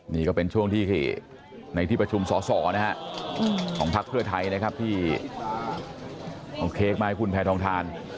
นี่ก็เป็นช่วงที่ในที่ประชุมสอสอนะฮะของพักเพื่อไทยนะครับที่เอาเค้กมาให้คุณแพทองทาน